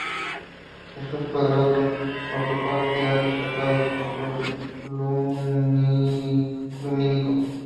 Jesús Cuadrado, por su parte, ha destacado su ""control lumínico"".